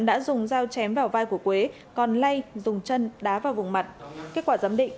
đã dùng dao chém vào vai của quế còn lay dùng chân đá vào vùng mặt kết quả giám định